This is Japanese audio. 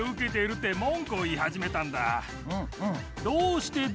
どうしてだ